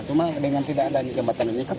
cuma dengan tidak ada jembatan yang ikut